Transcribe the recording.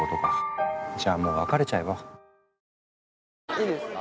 いいですか？